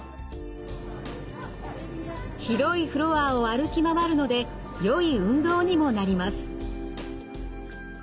広いフロアを歩き回るのでよい運動にもなります。